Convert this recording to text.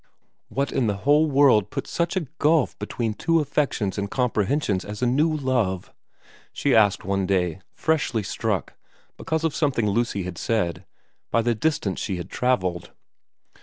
* What in the whole world puts such a gulf between two affections and comprehensions as a new love 1 ' she asked one day, freshly struck, because of something Lucy had said, by the distance she had travelled.